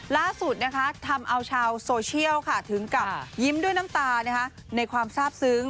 ล่าสุดทำเอาชาวโซเชียลถึงกับยิ้มด้วยน้ำตาในความทราบซึ้ง